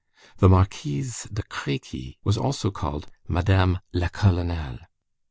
The Marquise de Créquy was also called Madame la Colonelle.